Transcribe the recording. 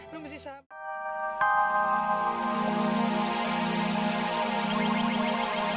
sampai jumpa lagi